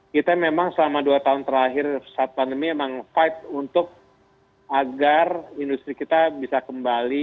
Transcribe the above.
kita memang selama dua tahun terakhir saat pandemi memang fight untuk agar industri kita bisa kembali